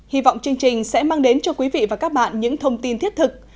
hy vọng chương trình sẽ mang đến cho quý vị và các bạn những thông tin thiết thực